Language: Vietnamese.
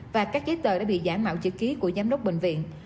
và các giấy tờ đã bị giả mạo chữ ký của giám đốc bệnh viện